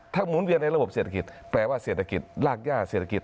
หมุนเวียนในระบบเศรษฐกิจแปลว่าเศรษฐกิจรากย่าเศรษฐกิจ